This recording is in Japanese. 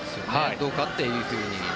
どうかというふうに。